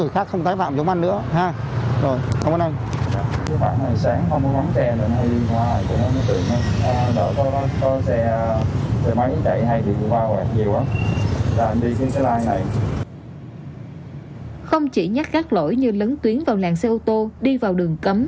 không chỉ nhắc các lỗi như lấn tuyến vào làng xe ô tô đi vào đường cấm